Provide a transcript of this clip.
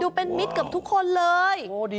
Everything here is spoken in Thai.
เป็นมิตรกับทุกคนเลย